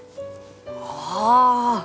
ああ！